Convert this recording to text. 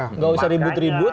tidak usah ribut ribut